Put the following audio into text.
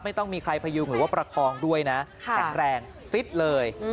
ไม่ต้องมีใครพยุงหรือว่าประคองด้วยนะแข็งแรงฟิตเลย